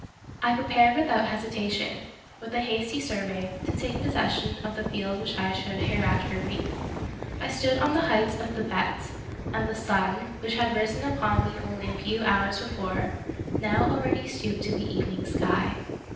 I prepared without hesitation, with a hasty survey, to take possession of the field which I should hereafter reap. I stood on the heights of Thibet, and the sun, which had risen upon me only a few hours before, now already stooped of Peter SchlemihL 103 to the evening sky.